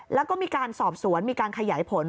แล้วก็มีการสอบสวนมีการขยายผล